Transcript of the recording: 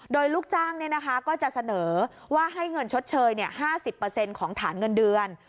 โดยลูกจ้างก็จะเสนอว่าให้เงินชดเชย๕๐ของฐานเงินเดือน